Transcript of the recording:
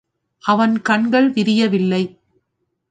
அவன் கண்கள் விரியவில்லை.